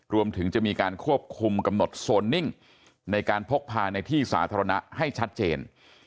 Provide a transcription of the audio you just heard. รวมถึงจะมีการควบคุมกำหนดโซนนิ่งในการพกพาในที่สาธารณะให้ชัดเจน